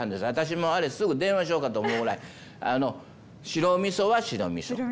私もあれすぐ電話しようかと思うぐらい白みそは白みそ。